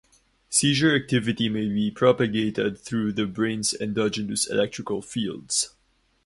Seizure activity may be propagated through the brain's endogenous electrical fields.